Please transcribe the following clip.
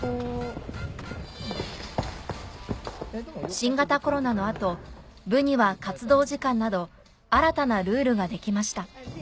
新型コロナの後部には活動時間など新たなルールが出来ました